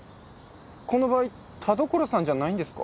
この場合田所さんじゃないんですか？